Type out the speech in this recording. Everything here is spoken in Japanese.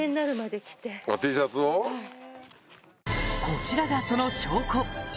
こちらがその証拠